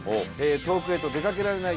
「遠くへと出かけられない